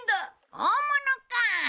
大物かあ。